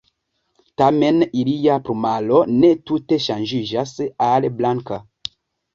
Tamen ilia plumaro ne tute ŝanĝiĝas al blanka.